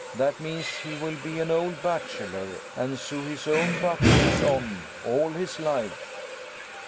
That means he will be an old bachelor and sew his own buttons on all his life."